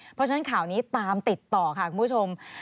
เพราะฉะนั้นข่าวนี้ตามติดต่อค่ะคุณผู้ชม